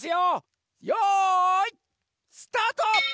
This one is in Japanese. よいスタート！